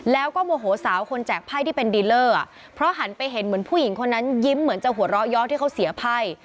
แล้วก็โมโหสาวคนแจกไพ่ที่เป็นดีเลอร์อ่ะเพราะหันไปเห็นเหมือนผู้หญิงคนนั้นยิ้มเหมือนจะหัวเราะย้อที่เขาเสียไพ่